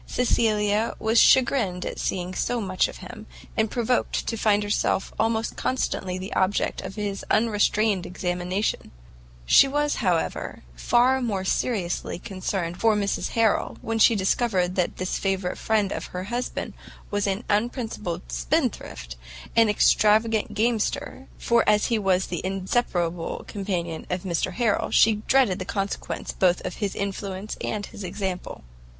Cecilia was chagrined at seeing so much of him, and provoked to find herself almost constantly the object of his unrestrained examination; she was, however, far more seriously concerned for Mrs Harrel, when she discovered that this favourite friend of her husband was an unprincipled spendthrift, and an extravagant gamester, for as he was the inseparable companion of Mr Harrel, she dreaded the consequence both of his influence and his example.